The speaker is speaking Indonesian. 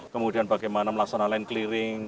kemudian bagaimana melaksanakan land clearing